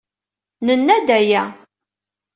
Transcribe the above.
Nenna-d aya.